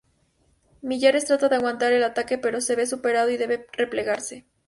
Miyares trata de aguantar el ataque pero se ve superado y debe replegarse.